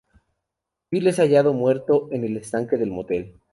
Phil es hallado muerto en el estanque del Motel.